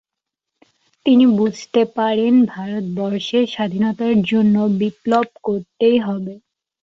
তিনি বুঝতে পারেন, ভারতবর্ষের স্বাধীনতার জন্য বিপ্লব করতেই হবে।